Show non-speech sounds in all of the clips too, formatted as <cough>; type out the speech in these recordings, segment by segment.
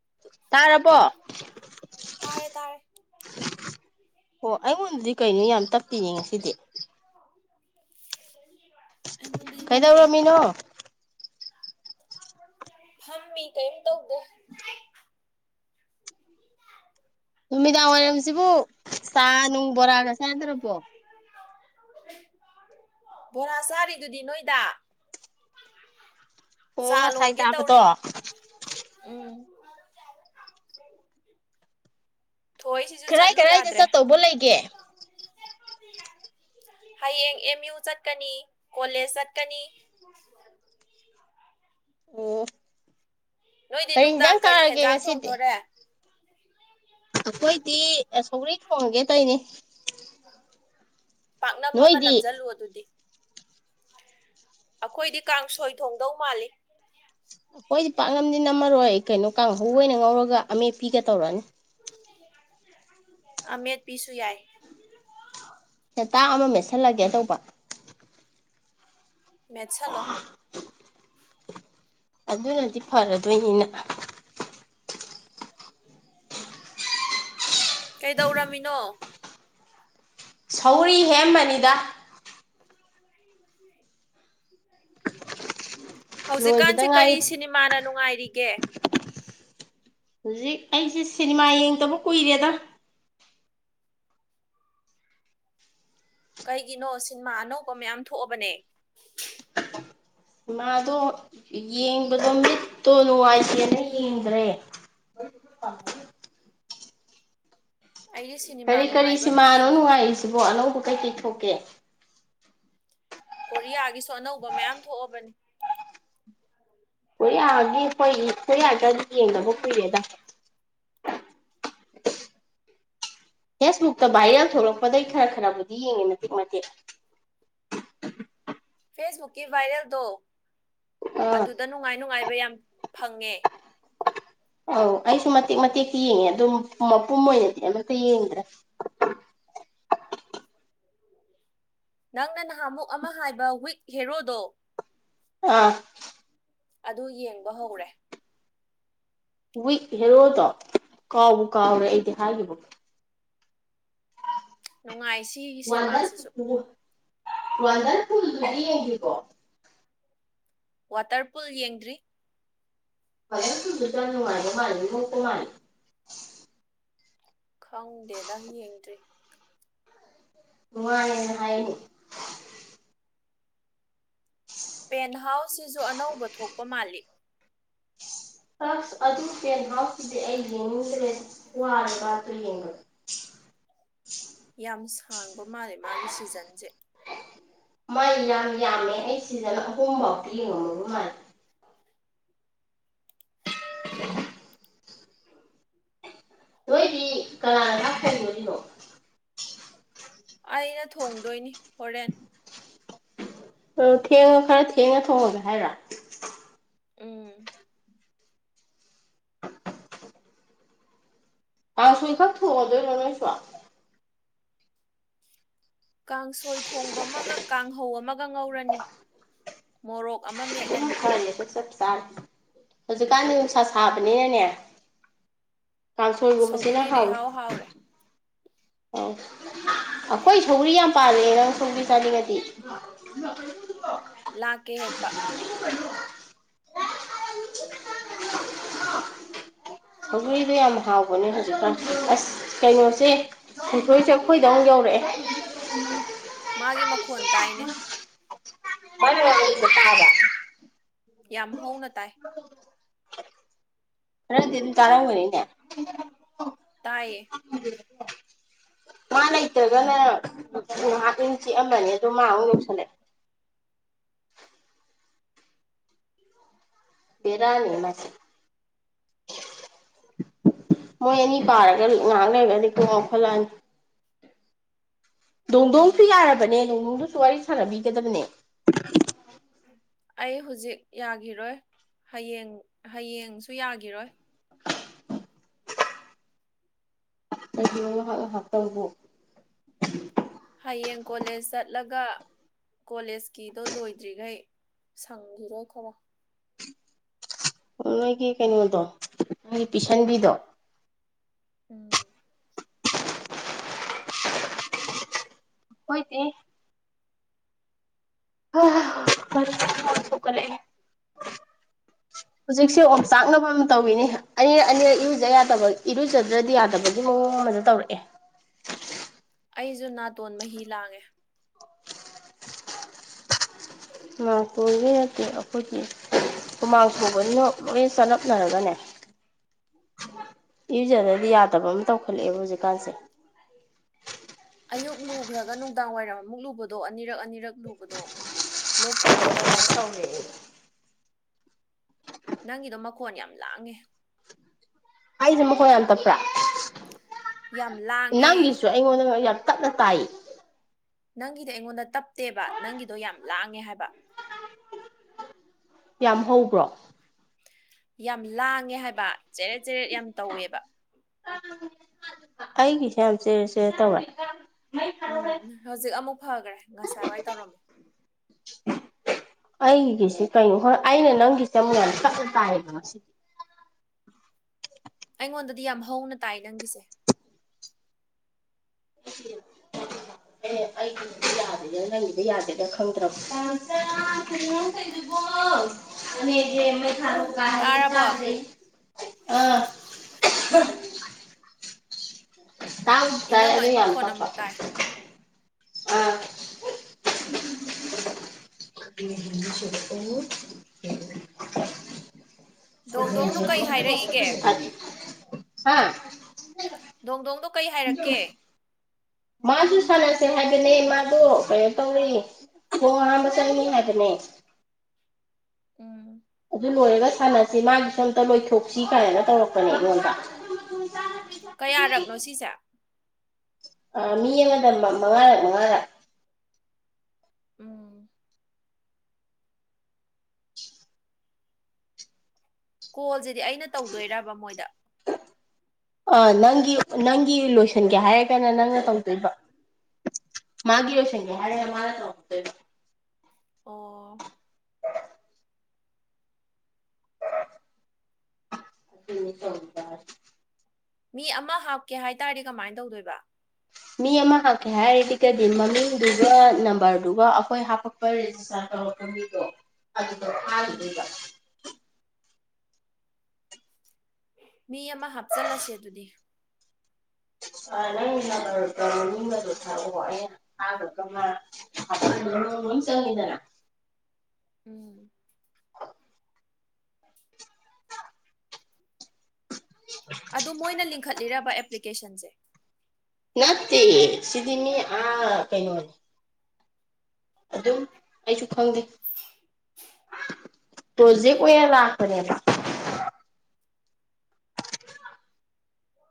<inaudible> ꯇꯥꯔꯕꯣ ꯇꯥꯔꯦ ꯇꯥꯔꯦ ꯑꯣ ꯑꯩꯉꯣꯟꯗꯗꯤ ꯀꯩꯅꯣ ꯌꯥꯝ ꯇꯞꯄꯤꯅꯦ ꯉꯁꯤꯗꯤ <inaudible> ꯇꯞꯇꯦ ꯀꯩꯗꯧꯔꯝꯃꯤꯅꯣ ꯐꯝꯃꯤ ꯀꯩꯝ ꯇꯧꯗꯦ ꯅꯨꯃꯤꯗꯥꯡ ꯋꯥꯏꯔꯝꯁꯤꯕꯨ ꯆꯥ ꯅꯨꯡ ꯕꯣꯔꯥꯒ ꯆꯥꯗ꯭ꯔꯥꯕꯣ ꯕꯣꯔꯥ ꯆꯥꯔꯤꯗꯨꯗꯤ ꯅꯣꯏꯗ ꯑꯣ ꯆꯥ ꯉꯁꯥꯏ ꯂꯣꯟꯒꯦ ꯆꯥꯕꯗꯣ ꯇꯧꯔꯤ ꯎꯝ ꯊꯣꯏꯁꯤꯁꯨ ꯀꯔꯥꯏ ꯆꯠꯂꯨ ꯀꯔꯥꯏꯗ ꯌꯥꯗ꯭ꯔꯦ ꯆꯠꯇꯧꯕ ꯂꯩꯒꯦ ꯍꯌꯦꯡ ꯑꯦꯝ ꯌꯨ ꯆꯠꯀꯅꯤ ꯀꯣꯂꯦꯖ ꯆꯠꯀꯅꯤ ꯑꯣ ꯅꯣꯏꯗꯤ ꯀꯔꯤ ꯌꯦꯟꯖꯥꯡ ꯅꯨꯡꯗꯥꯡ ꯀꯔꯤ ꯆꯥꯔꯒꯦ ꯍꯦꯟꯖꯥꯡ ꯉꯁꯤꯗꯤ ꯊꯣꯡꯗꯣꯔꯦ ꯑꯩꯈꯣꯏꯗꯤ ꯁꯧꯔꯤ ꯊꯣꯡꯉꯒꯦ ꯇꯧꯅꯦ ꯄꯥꯛꯅꯝ ꯑꯃ ꯅꯣꯏꯗꯤ ꯅꯝꯁꯤꯜꯂꯨ ꯑꯗꯨꯗꯤ ꯑꯩꯈꯣꯏꯗꯤ ꯀꯥꯡꯁꯣꯏ ꯊꯣꯡꯗꯧ ꯃꯥꯜꯂꯤ ꯑꯩꯈꯣꯏꯗꯤ ꯄꯥꯛꯅꯝꯗꯤ ꯅꯝꯃꯔꯣꯏ ꯀꯩꯅꯣ ꯀꯥꯡꯍꯧꯕ ꯑꯣꯏꯅ ꯉꯧꯔꯒ ꯑꯃꯦꯠꯄꯤꯤꯒ ꯇꯧꯔꯛꯅꯤ ꯑꯃꯦꯠꯄꯤꯁꯨ ꯌꯥꯏ ꯁꯦꯇꯥꯥꯛ ꯑꯃ ꯃꯦꯠꯁꯤꯜꯂꯒꯦ ꯇꯧꯕ ꯃꯦꯠꯁꯂꯣ ꯑꯗꯨꯅꯗꯤ ꯐꯔꯗꯣꯏꯅꯤꯅ ꯀꯩꯗꯧꯔꯝꯃꯤꯅꯣ ꯁꯧꯔꯤ ꯍꯦꯛ ꯑꯝꯕꯅꯤꯗ ꯂꯣꯏꯕꯗ ꯍꯧꯖꯤꯛꯀꯥꯟꯁꯦ ꯀꯔꯤ ꯉꯥꯏꯔꯤ ꯁꯤꯅꯤꯃꯥꯅ ꯅꯨꯡꯉꯥꯏꯔꯤꯒꯦ ꯍꯧꯖꯤꯛ ꯑꯩꯁꯦ ꯁꯤꯅꯤꯃꯥ ꯌꯦꯡꯗꯕ ꯀꯨꯏꯔꯦꯗ ꯀꯩꯒꯤꯅꯣ ꯁꯤꯟꯃꯥ ꯑꯅꯧꯕ ꯃꯌꯥꯝ ꯊꯣꯛꯑꯕꯅꯦ ꯃꯗꯣ ꯌꯦꯡꯕꯗꯣ ꯃꯤꯠꯇꯣ ꯅꯨꯡꯉꯥꯏꯇꯦꯅ ꯌꯦꯡꯗ꯭ꯔꯦ ꯑꯩꯗꯤ ꯁꯤꯅꯦꯃꯥ ꯀꯔꯤ ꯀꯔꯤ ꯅꯨꯡꯉꯥꯏꯕ ꯑꯃ ꯁꯤꯅꯤꯃꯥꯅꯣ ꯌꯦꯡꯉꯤ ꯅꯨꯡꯉꯥꯏꯔꯤꯁꯤ ꯑꯅꯧꯕ ꯀꯩ ꯀꯩ ꯊꯣꯛꯀꯦ ꯀꯣꯔꯤꯌꯥꯒꯤꯁꯨ ꯑꯅꯧꯕ ꯃꯌꯥꯝ ꯊꯣꯛꯑꯕꯅꯤ ꯀꯣꯔꯤꯌꯥꯑꯤ ꯑꯩꯈꯣꯏ ꯀꯣꯔꯤꯌꯥꯗꯤ ꯌꯦꯡꯗꯅꯕ ꯀꯨꯏꯔꯦꯗ ꯐꯦꯁꯕꯨꯛꯇ ꯚꯥꯏꯔꯦꯜ ꯊꯣꯛꯂꯛꯄꯗꯩ ꯈꯔ ꯈꯔꯕꯨꯗꯤ ꯌꯦꯡꯉꯦ ꯃꯇꯦꯛ ꯃꯇꯦꯛ ꯐꯦꯁꯕꯨꯛꯀꯤ ꯕꯥꯏꯔꯦꯜ ꯗꯣ ꯑꯥ ꯑꯗꯨꯗ ꯅꯨꯡꯉꯥꯏ ꯅꯨꯡꯉꯥꯏꯕ ꯌꯥꯝ ꯐꯪꯉꯦ ꯑꯧ ꯑꯩꯁꯨ ꯃꯇꯦꯛ ꯃꯇꯦꯛꯇ ꯌꯦꯡꯉꯦ ꯑꯗꯨꯝ ꯃꯄꯨꯝ ꯑꯣꯏꯅꯗꯤ ꯑꯃꯇ ꯌꯦꯡꯗ꯭ꯔꯥ ꯅꯪꯅ ꯅꯍꯥꯃꯨꯛ ꯑꯃ ꯍꯥꯏꯕ ꯋꯤꯛ ꯍꯦꯔꯣꯗꯣ ꯑꯥ ꯑꯗꯨ ꯌꯦꯡꯕ ꯍꯧꯔꯦ ꯋꯤꯛ ꯍꯦꯔꯣꯗꯣ ꯀꯥꯎꯕ ꯀꯥꯎꯔꯦ ꯎꯝ ꯑꯩꯗꯤ ꯍꯥꯏꯈꯤꯕꯒ ꯅꯨꯡꯉꯥꯏ ꯁꯤ ꯋꯥꯗꯪ ꯋꯥꯟꯇꯔ ꯐꯜ ꯉꯦꯡꯗ꯭ꯔꯤꯕꯣ ꯋꯥꯇꯔ ꯄꯨꯜ ꯌꯦꯡꯗ꯭ꯔꯤ ꯄꯔ ꯁꯨꯕꯤꯗꯅꯅꯨꯡꯉꯗ ꯃꯥꯜ ꯃꯨꯛꯇ ꯃꯥꯜꯂꯤ ꯈꯪꯗꯦꯗ ꯌꯦꯡꯗ꯭ꯔꯤ ꯅꯨꯡꯉꯅ ꯍꯥꯏ ꯄꯦꯟꯍꯥꯎꯁ ꯁꯤꯁꯨ ꯑꯅꯧꯕ ꯊꯣꯛꯄ ꯃꯥꯜꯂꯤ ꯑꯗꯨ ꯀꯦꯟ ꯍꯥꯎꯈꯤꯗꯤ ꯑꯩ ꯌꯦꯡꯅꯤꯡꯗ꯭ꯔꯦ ꯋꯥꯔꯒꯇ ꯌꯦꯡꯉꯨ ꯌꯥꯝ ꯁꯥꯡꯕ ꯃꯥꯜꯂꯦ ꯃꯥꯒꯤ ꯁꯤꯖꯟꯁꯦ ꯃꯥꯏ ꯌꯥꯝ ꯌꯥꯝꯃꯦ ꯑꯩ ꯁꯤꯗꯅ ꯑꯍꯨꯝꯐꯥꯎꯛꯇ ꯌꯦꯡꯉꯨꯅꯨꯕ ꯃꯥꯏ ꯀꯂꯔꯅ ꯀꯔꯤ ꯑꯣꯏꯔꯤꯅꯣ ꯑꯩꯅ ꯊꯣꯡꯗꯣꯏꯅꯤ ꯍꯣꯔꯦꯟ ꯑꯣ ꯊꯦꯡꯉ ꯈꯔ ꯊꯦꯡꯉ ꯊꯣꯡꯉꯒꯦ ꯍꯥꯏꯔ꯭ꯔꯥ ꯎꯝ ꯀꯥꯡ ꯁꯣꯏꯈꯥꯛ ꯊꯣꯗꯅꯁꯨꯣ ꯀꯥꯡꯁꯣꯏ ꯊꯣꯡꯕ ꯑꯃꯒ ꯀꯥꯡꯍꯧ ꯑꯃꯒ ꯉꯧꯔꯅꯤ ꯃꯣꯔꯣꯛ ꯑꯃ ꯃꯦꯠꯂꯅꯤ ꯆ ꯆꯥ ꯍꯧꯖꯤꯛꯀꯥꯟꯗꯤ ꯅꯨꯡꯁꯥ ꯁꯥꯕꯅꯤꯅꯅꯦ ꯀꯥꯡꯁꯣꯜꯒꯨꯝꯕꯁꯤꯅ ꯁꯧꯒ꯭ꯔꯤꯅ ꯍꯥꯎꯋꯤ ꯏꯍꯥꯎ ꯍꯥꯎꯔꯦ ꯑ ꯑꯩꯈꯣꯏ ꯁꯧ꯭ꯔꯤ ꯌꯥꯝ ꯄꯥꯜꯂꯑꯦ ꯅꯪ ꯁꯧ꯭ꯔꯤ ꯆꯥꯅꯤꯡꯉꯗꯤ ꯂꯥꯛꯀꯦ ꯍꯦꯛꯄ ꯁꯒꯔꯤꯗꯣ ꯌꯥꯝ ꯍꯥꯎꯕꯅꯦ ꯍꯧꯖꯤꯛꯀꯥꯟ ꯑꯁ ꯀꯩꯅꯣꯁꯦ ꯍꯤꯡꯈ꯭ꯔꯣꯏꯁꯦ ꯑꯩꯈꯣꯏꯗ ꯑꯃꯨꯛ ꯌꯧꯔꯛꯑꯦ ꯃꯥꯒꯤ ꯃꯈꯣꯟ ꯇꯥꯏꯅꯦ ꯇꯔ ꯌꯥꯝ ꯍꯎꯅ ꯇꯥꯏ ꯔꯗꯤ ꯑꯗꯨꯝ ꯇꯥꯔꯅꯤꯅꯦ ꯇꯥꯏꯌꯦ <unintelligible> ꯃꯥ ꯂꯩꯇ꯭ꯔꯒꯅ ꯍꯥꯞ ꯏꯤꯟ ꯆꯤꯛꯑꯃꯅꯤ ꯑꯗꯣ ꯃꯥ ꯑꯃꯨꯛ ꯌꯧꯁꯜꯂꯛꯑꯦ ꯕꯦꯔꯥꯅꯤ ꯃꯥ ꯃꯣꯏ ꯑꯅꯤ ꯄꯥꯔꯒ ꯉꯍꯥꯡ ꯂꯩꯩꯕꯗꯤ ꯀꯨꯡ ꯉꯥꯎꯈꯠꯂꯛꯑꯅꯤ ꯗꯣꯡ ꯗꯣꯡꯁꯨ ꯎꯝ ꯌꯥꯔꯕꯅꯦ ꯅꯣꯡꯅꯨꯡꯗꯨꯁꯨ ꯋꯥꯔꯤ ꯁꯥꯟꯅꯕꯤꯒꯗꯕꯅꯦ ꯑꯩ ꯍꯧꯖꯤꯛ ꯌꯥꯈꯤꯔꯣꯏ ꯍꯌꯦꯡ ꯍꯌꯦꯡꯁꯨ ꯌꯥꯈꯤꯔꯣꯏ ꯀ ꯍꯥꯥꯛꯇꯕꯕꯣ ꯍꯌꯦꯡ ꯀꯣꯂꯦꯖ ꯆꯠꯂꯒ ꯀꯣꯂꯦꯖꯀꯤꯗꯣ ꯂꯣꯏꯗ꯭ꯔꯤꯈꯩ ꯁꯪꯈꯤꯔꯣꯏ ꯈꯔꯣ ꯅꯣꯏꯒꯤ ꯀꯩꯅꯣꯗꯣ ꯅꯣꯏꯒꯤ ꯄꯤꯁꯟꯕꯤꯗꯣ ꯎꯝ ꯍꯣꯏꯇꯦ ꯊꯣꯛꯀꯠꯂꯛꯑꯦ ꯍꯧꯖꯤꯛꯁꯦ ꯑꯣꯝ ꯆꯥꯛꯅꯕ ꯑꯃ ꯇꯧꯏꯤꯅꯤ ꯑꯅꯤꯔ ꯑꯅꯤꯔ ꯏꯔꯨꯖ ꯌꯥꯗꯕ ꯏꯔꯨꯖꯗ꯭ꯔꯗꯤ ꯌꯥꯗꯕꯒꯤ ꯃꯑꯣvvꯡ ꯑꯃꯗ ꯇꯧꯔꯛꯑꯦ ꯑꯩꯁꯨ ꯅꯥꯇꯣꯟ ꯃꯍꯤ ꯂꯥꯡꯉꯦ ꯃꯅꯤꯄꯨꯔꯒꯤ ꯑꯣꯏꯅꯠꯇꯦ ꯑꯩꯈꯣꯏꯒꯤ ꯍꯨꯃꯥꯡ ꯄꯨꯕꯅ ꯂꯣꯏ ꯆꯂꯞꯅꯔꯒꯅꯦ ꯌꯨꯖꯗꯗꯤ ꯌꯥꯗꯕ ꯑꯃ ꯇꯧꯈꯠꯂꯛꯑꯦꯕ ꯍꯧꯖꯤꯛꯀꯥꯟꯁꯦ ꯑꯌꯨꯛ ꯂꯨꯈ꯭ꯔꯒ ꯅꯨꯡꯗꯥꯡ ꯋꯥꯏꯔꯝ ꯑꯃꯨꯛ ꯂꯨꯕꯗꯣ ꯑꯅꯤꯔꯛ ꯑꯅꯤꯔꯛ ꯂꯨꯕꯗꯣꯣꯛ ꯊꯨꯡꯒꯦ ꯇꯧꯋꯦꯕ ꯇꯧꯔꯦ ꯅꯪꯒꯤꯗꯣ ꯃꯈꯣꯟ ꯌꯥꯝ ꯂꯥꯡꯉꯦ ꯑꯩꯗꯤ ꯃꯈꯣꯟꯏ ꯌꯥꯝ ꯇꯄ꯭ꯔꯥ ꯌꯥꯝ ꯂꯥꯡꯉꯦ ꯅꯪꯒꯤꯁꯨ ꯑꯩꯉꯣꯟꯗ ꯌꯥ ꯇꯛꯅ ꯇꯥꯏꯌꯦ ꯅꯪꯒꯤꯗꯤ ꯑꯩꯉꯣꯟꯗ ꯇꯞꯇꯦꯕ ꯅꯪꯒꯤꯗꯣ ꯌꯥꯝ ꯂꯥꯡꯉꯦ ꯍꯥꯏꯕ ꯌꯥꯝ ꯍꯧꯕ꯭ꯔꯣ ꯌꯥꯝ ꯂꯥꯡꯉꯦ ꯍꯥꯏꯕ ꯆꯦꯔꯦꯠ ꯆꯦꯔꯦꯠ ꯌꯥꯝ ꯇꯧꯋꯦꯕ ꯑꯩꯒꯤ ꯁ ꯌꯥꯝ ꯆꯦꯔꯦꯐꯦꯔꯦ ꯇꯧꯋꯦ ꯎꯝ ꯍꯧꯖꯤꯛ ꯑꯃꯨꯛ ꯐꯈ꯭ꯔꯦ ꯉꯁꯥꯏ ꯋꯥꯏ ꯇꯧꯔꯝꯃꯤ ꯑꯩꯒꯤꯁꯦ ꯀꯩꯅꯣ ꯍꯣꯏ ꯑꯩꯅ ꯅꯪꯒꯤꯁꯦ ꯑꯃꯨꯛ ꯌꯥꯝ ꯇꯞ ꯇꯥꯏꯌꯦꯕ ꯉꯁꯤꯗꯤ ꯑꯩꯉꯣꯟꯗꯗꯤ ꯌꯥꯝ ꯍꯧꯅ ꯇꯥꯏ ꯅꯪꯒꯤꯁꯦ ꯑꯦ ꯑꯩꯒꯤꯗꯤ ꯌꯥꯗꯦꯗ ꯅꯪꯒꯤꯗꯤ ꯌꯥꯗꯦꯗ ꯈꯪꯗ꯭ꯔꯕ ꯟꯥꯝꯆꯥ ꯀꯩꯅꯣ ꯅꯪ ꯇꯧꯢꯗꯨꯕꯣ ꯑꯦ ꯃꯩ ꯊꯥꯒꯥꯏ ꯍꯥꯏꯕ ꯇꯥꯔꯕꯣ ꯇꯥꯗ꯭ꯔꯦ ꯇꯥꯕꯨꯗꯤ ꯇꯥꯏ ꯑꯗꯨ ꯏꯅꯝꯃꯩ ꯌꯥꯜ ꯃꯈꯣꯟ ꯇꯞꯄ ꯑꯃꯨꯛ ꯇꯥꯏ ꯑ ꯗꯣꯡꯗꯣꯡꯗꯣ ꯀꯩ ꯍꯥꯏꯔꯛꯏꯒꯦ <unintelligible> <unintelligible> ꯍꯥ ꯗꯣꯡ ꯗꯣꯡꯗꯣ ꯀꯩ ꯍꯥꯏꯔꯛꯀꯦ ꯃꯥꯁꯨ ꯁꯥꯟꯅꯁꯦ ꯍꯥꯏꯕꯅꯦ ꯃꯥꯗꯣ ꯀꯩꯅꯣ ꯇꯧꯋ ꯈꯣꯡ ꯍꯥꯝꯕ ꯆꯪꯉꯤ ꯍꯥꯏꯕꯅꯦ ꯎꯝ ꯑꯗꯨ ꯂꯣꯏꯔꯒ ꯁꯥꯟꯅꯁꯤ ꯃꯥꯒꯤ ꯁꯣꯝꯇ ꯂꯣꯏꯊꯣꯛꯁꯤ ꯀꯥꯏꯅ ꯇꯧꯔꯛꯄꯅꯦ ꯑꯩꯉꯣꯟꯗ ꯀꯌꯥꯔꯛꯅꯣ ꯁꯤꯁꯦ ꯑ ꯃꯤ ꯑꯃꯗ ꯃꯉꯥꯔꯛ ꯃꯉꯥꯔꯛ ꯎꯝ ꯀꯣꯜꯁꯤꯗꯤ ꯑꯩꯅ ꯇꯧꯗꯣꯏꯔꯕ ꯃꯣꯏꯗ ꯑ ꯅꯪꯒꯤ ꯅꯪꯒꯤ ꯂꯣꯏꯁꯤꯟꯒꯦ ꯍꯥꯏꯔꯒꯅ ꯅꯪꯅ ꯇꯧꯗꯣꯏꯕ ꯃꯥꯒꯤ ꯂꯣꯏꯁꯟꯒꯦ ꯍꯥꯏꯔꯅ ꯑꯣ ꯃꯥꯅ ꯇꯧꯗꯣꯏꯕ ꯑꯣ <unintelligible> ꯃꯤ ꯑꯃ ꯍꯥꯞꯀꯦ ꯍꯥꯏꯇꯥꯔꯗꯤ ꯀꯃꯥꯏꯅ ꯇꯧꯗꯣꯏꯕ ꯃꯤ ꯑꯃ ꯍꯞꯀꯦ ꯍꯥꯏꯔꯒꯗꯤ ꯃꯃꯤꯡꯗꯨꯒ ꯅꯝꯕꯔꯗꯨꯒ ꯑꯩꯈꯣꯏ ꯍꯥꯄꯛꯄ ꯔꯦꯖꯤꯁꯇꯥꯔ ꯇꯧꯔꯛꯄ ꯃꯤꯗꯣ ꯑꯗꯨꯗ ꯎꯝ ꯊꯥꯒꯤꯗꯣꯏꯕ ꯃꯤ ꯑꯃ ꯍꯥꯞꯆꯤꯜꯂꯁꯦ ꯑꯗꯨꯗꯤ ꯑ ꯅꯪꯁꯨ ꯊ ꯍꯥ <unintelligible> ꯎꯝ ꯑꯗꯨ ꯃꯣꯏꯅ ꯂꯤꯡꯈꯠꯂꯤꯔꯕ ꯑꯦꯄ꯭ꯂꯤ ꯀꯦꯁꯟꯁꯦ ꯅꯠꯇꯦ ꯁꯤꯗꯤ ꯃꯤ ꯑꯥ ꯀꯩꯅꯣ ꯑꯗꯨꯝ ꯑꯩꯁꯨ ꯈꯪꯗꯦ ꯄ꯭ꯔꯣꯖꯦꯛ ꯑꯣꯏꯅ ꯂꯥꯛꯄꯅꯦꯕ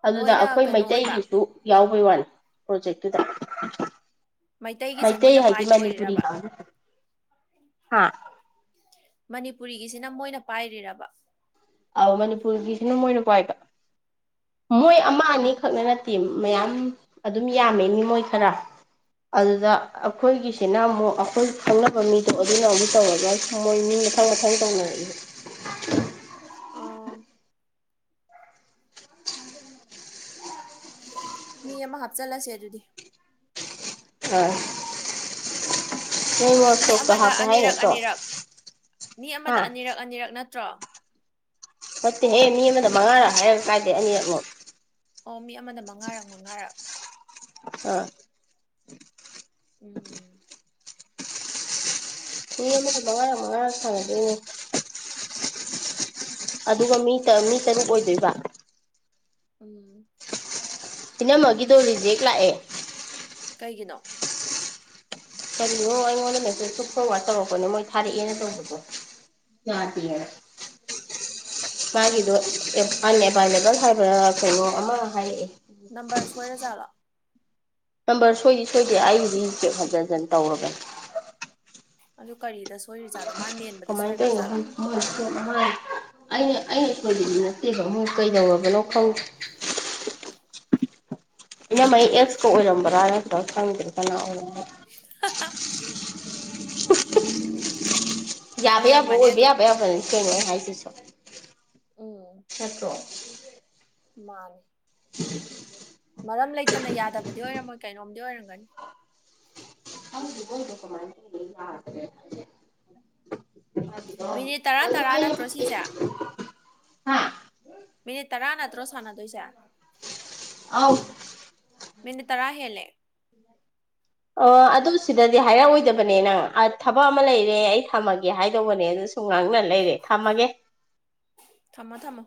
ꯑꯗꯨꯗ ꯃꯣꯏꯅ ꯑꯩꯈꯣꯏ ꯀꯩꯅꯣ ꯑꯣꯏꯕ ꯃꯩꯇꯩꯒꯤꯁꯨ ꯌꯥꯎꯕꯩ ꯋꯥꯩꯅꯦ ꯄ꯭ꯔꯣꯖꯦꯛꯇꯨꯗ ꯃꯩꯇꯩꯒꯤꯁꯦ ꯃꯩꯇꯩ ꯃꯣꯏꯅ ꯍꯥꯏꯗꯤ ꯄꯥꯏꯕ ꯃꯅꯤꯄꯨꯔꯤ ꯑꯣꯏꯔꯤꯔꯕ ꯀꯥꯡꯕꯨ ꯍꯥꯥ ꯃꯅꯤꯄꯨꯔꯤꯒꯤꯁꯤꯅ ꯃꯣꯏꯅ ꯄꯥꯏꯔꯤꯔꯕ ꯑꯧ ꯃꯅꯤꯄꯨꯔꯒꯤꯁꯤꯅ ꯃꯣꯏꯅ ꯄꯥꯏꯕ ꯃꯣꯏ ꯑꯃ ꯑꯣꯝ ꯑꯅꯤ ꯈꯛꯅ ꯅꯠꯇꯦ ꯃꯌꯥꯝ ꯑꯗꯨꯝ ꯌꯥꯝꯃꯦ ꯃꯤ ꯃꯣꯏ ꯈꯔ ꯑꯗꯨꯗ ꯑꯩꯈꯣꯏꯒꯤꯁꯤꯅ ꯑꯃꯨꯛ ꯑꯩꯈꯣꯏ ꯈꯪꯅꯕ ꯃꯤꯗꯣ ꯑꯗꯨꯅ ꯑꯃꯨꯛ ꯇꯧꯔꯒ ꯃꯣꯏ ꯃꯤ ꯃꯊꯪ ꯃꯊꯪ ꯇꯧꯅꯔꯛꯏꯕ ꯑꯥ ꯃꯤ ꯑꯃ ꯍꯥꯞꯆꯜꯂꯁꯦ ꯑꯗꯨꯗꯤ ꯑꯁ ꯃꯤ ꯑꯃꯗ ꯑꯅꯤꯔꯛ ꯑꯅꯤꯔꯛ ꯃꯤ ꯍꯥ ꯑꯃꯗ ꯑꯅꯤꯔꯛ ꯑꯅꯤꯔꯛ ꯅꯠ ꯇ꯭ꯔꯣ ꯅꯠꯇꯦꯍꯦ ꯃꯤ ꯑꯃꯗ ꯃꯉꯥꯔꯛ ꯍꯥꯏꯔꯒ ꯀꯥꯏꯗꯩ ꯑꯅꯤꯔꯛꯃꯛꯅꯣ ꯑꯣ ꯃꯤ ꯑꯃꯅ ꯃꯉꯥꯔꯛ ꯃꯉꯥꯔꯛ ꯑ <unintelligible> ꯎꯝ ꯃꯤ ꯑꯃꯗ ꯃꯉꯥꯔꯛ ꯃꯉꯥꯔꯛ ꯁꯥꯟꯅꯗꯣꯏꯅꯦ ꯑꯗꯨꯒ ꯃꯤ ꯃꯤ ꯇꯔꯨꯛ ꯑꯣꯏꯗꯣꯏꯕ ꯎꯝ ꯏꯅꯝꯃꯒꯤꯗꯣ ꯔꯤꯖꯦꯛ ꯂꯥꯛꯑꯦ ꯀꯩꯒꯤꯅꯣ ꯀꯔꯤꯅꯣ ꯑꯩꯉꯣꯟꯗ ꯍꯛꯇ ꯁꯨꯨꯞ ꯐꯣꯔꯋꯥꯔꯗ ꯇꯧꯔꯛꯄꯅꯦ ꯃꯣꯏ ꯊꯥꯔꯛꯑꯦꯅ ꯇꯧꯕꯗꯣ ꯌꯥꯗꯦꯅ ꯃꯥꯒꯤꯗꯣ ꯑꯟꯑꯦꯕꯥꯏꯂꯦꯕꯜ ꯍꯥꯏꯕ꯭ꯔꯥ ꯀꯩꯅꯣ ꯑꯃ ꯍꯥꯏꯔꯛꯑꯦ ꯅꯝꯕꯔ ꯁꯣꯏꯔꯖꯥꯠꯂꯥ ꯅꯝꯕꯔ ꯁꯣꯏꯗꯤ ꯁꯣꯏꯗꯦ ꯑꯩꯕꯨꯗꯤ ꯔꯤ ꯆꯦꯛ ꯍꯟꯖꯤꯟ ꯍꯟꯖꯤꯟ ꯇꯧꯔꯕꯅꯦ ꯑꯗꯨ ꯀꯔꯤꯗ ꯁꯣꯏꯔꯤꯖꯥꯠꯅꯣ ꯃꯥ ꯃꯦꯟꯕꯗ ꯀꯃꯥꯏ ꯇꯩꯅꯣ ꯁꯣꯏꯈ꯭ꯔꯖꯥꯠꯂꯥ ꯈꯪꯗꯦ ꯃꯣꯏ ꯑꯩꯅ ꯑꯩꯅ ꯑꯩꯈꯣꯏꯒꯤ ꯅꯠꯇꯦꯕ ꯑꯃꯣꯏ ꯀꯩꯗꯧꯔꯕꯅꯣ ꯈꯪꯦ ꯏꯅꯃꯩ ꯑꯦꯛꯁꯀ ꯑꯣꯏꯔꯝꯕ꯭ꯔꯥꯅꯇ ꯈꯪꯗꯦ ꯀꯅꯥ ꯑꯣꯏ ꯌꯥꯕꯩ ꯑꯕꯣ ꯑꯣꯏꯔꯝꯃꯅꯤ ꯑꯣꯏꯕ ꯑꯗꯨ ꯌꯥꯕꯩ ꯌꯥꯕ ꯀꯦꯡꯅ ꯍꯥꯏꯦ <unintelligible> ꯆꯠꯇꯔꯣ ꯃꯥꯅꯦ <unintelligible> ꯃꯔꯝ ꯂꯩꯇꯅ ꯌꯥꯗꯕꯗꯤ ꯑꯣꯏꯔꯝꯃꯣꯏ ꯀꯩꯅꯣꯝꯗꯤ ꯑꯣꯏꯔꯝꯒꯅꯤ <unintelligible> ꯃꯤꯅꯤꯠ ꯇꯔꯥ ꯑꯗꯣ ꯇꯔꯥ ꯑꯩꯅ ꯅꯠꯇ꯭ꯔꯣ ꯁꯤꯁꯦ ꯍꯥ ꯃꯤꯅꯤꯠ ꯇꯔꯥ ꯅꯠꯇ꯭ꯔꯣ ꯁꯥꯟꯅꯗꯣꯏꯁꯦ ꯑꯧ ꯃꯤꯅꯤꯠ ꯇꯔꯥ ꯍꯦꯜꯂꯦ ꯑꯣ ꯑꯗꯨ ꯁꯤꯗꯗꯤ ꯍꯥꯏꯔꯛꯑꯣꯏꯗꯕꯅꯦ ꯅꯪ ꯊꯕꯛ ꯑꯃ ꯂꯩꯔꯦ ꯑꯩ ꯊꯝꯃꯒꯦ ꯍꯥꯏꯗꯧꯕꯅꯦ ꯑꯗꯨ ꯁꯨꯝ ꯉꯥꯡꯅ ꯂꯩꯔꯦ ꯊꯝꯃꯒꯦ ꯊꯝꯃꯣ ꯊꯝꯃꯣ